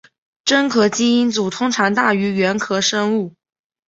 真核基因组通常大于原核生物。